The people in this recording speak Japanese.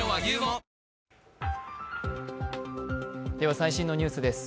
最新のニュースです。